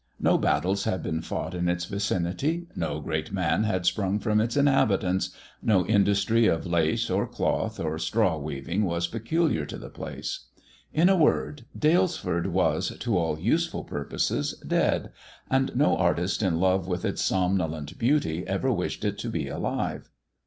No battles had been fought in its vicinity, no great man had sprung from its inhabitants, no industry of lace, or cloth, or straw THE dwarf's chamber weaving was peculiar to the place. In a word, Dalesford was, to all useful purposes, dead, and no artist in love with its somnolent beauty ever wished it to be alive.